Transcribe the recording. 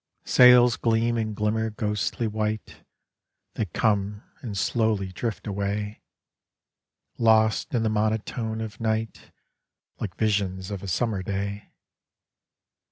Sails gleam and glixaaer ghostly white, They come and slowly drift away, Lost in the monotone of night, LCke visions of a summer day.